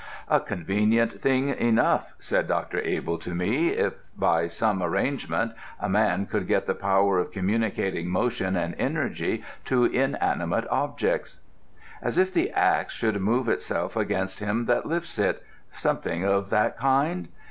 'A convenient thing enough,' said Dr. Abell to me, 'if by some arrangement a man could get the power of communicating motion and energy to inanimate objects.' 'As if the axe should move itself against him that lifts it; something of that kind?'